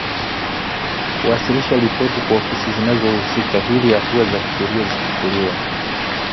kuwasilisha ripoti kwa ofisi zinazohusika ili hatua za kisheria zichukuliwe